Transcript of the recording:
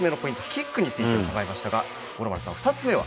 キックについて伺いましたが五郎丸さん、２つ目は？